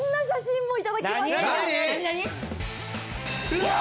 うわ！